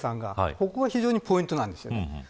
ここが非常にポイントなんです。